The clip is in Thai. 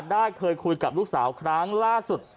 ได้เคยคุยกับลูกสาวครั้งล่าสุด